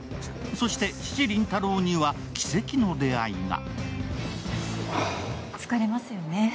そして父・林太郎には奇跡の出会いが。